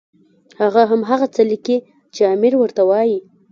هغه هم هغه څه لیکي چې امیر ورته وایي.